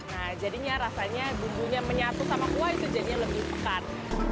nah jadinya rasanya bumbunya menyatu sama kuah itu jadinya lebih pekat